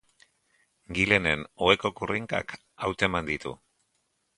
Gilenen oheko kurrinkak hauteman ditu.